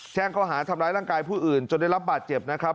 แจ้งข้อหาทำร้ายร่างกายผู้อื่นจนได้รับบาดเจ็บนะครับ